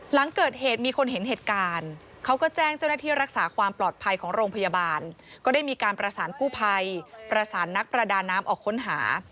หลังเกิดเหตุมีคนเห็นเหตุการณ์เขาก็แจ้งเจ้าหน้าที่รักษาความปลอดภัยของโรงพยาบาลก็ได้มีการประสานกู้ภัยประสานนักประดาน้ำออกค้นหา